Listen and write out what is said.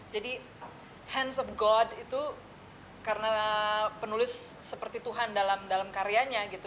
jadi hands of god itu karena penulis seperti tuhan dalam karyanya gitu